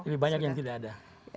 lebih banyak yang tidak ada